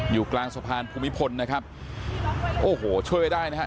อยู่กลางสะพานภูมิพลนะครับโอ้โหช่วยไว้ได้นะฮะ